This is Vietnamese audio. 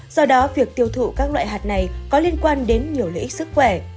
do đó việc tiêu thụ các loại hạt này có liên quan đến nhiều lợi ích sức khỏe